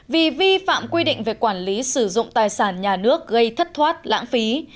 vì vi phạm quy định về quản lý sử dụng tài sản nhà nước gây thất thoát lãng phí